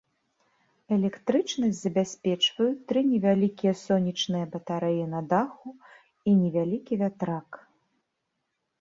Электрычнасць забяспечваюць тры невялікія сонечныя батарэі на даху і невялікі вятрак.